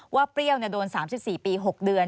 เปรี้ยวโดน๓๔ปี๖เดือน